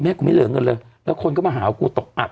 กูไม่เหลือเงินเลยแล้วคนก็มาหากูตกอัด